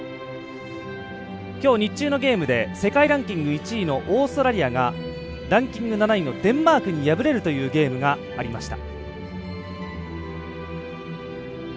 きょう日中のゲームで世界ランキング１位のオーストラリアがランキング７位デンマークに敗れるというゲームがありました。